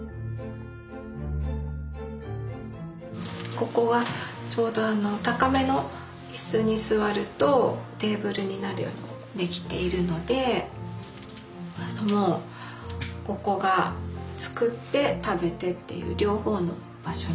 ここはちょうど高めの椅子に座るとテーブルになるように出来ているのでもうここが作って食べてっていう両方の場所になってます。